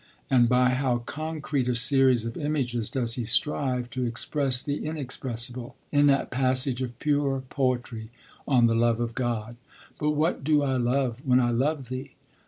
And by how concrete a series of images does he strive to express the inexpressible, in that passage of pure poetry on the love of God! 'But what do I love, when I love thee?